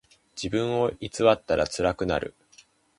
自分を偽ったらつらくなる。